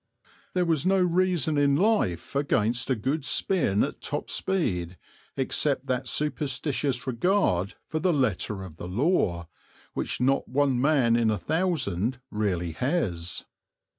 There was no reason in life against a good spin at top speed except that superstitious regard for the letter of the law which not one man in a thousand really has.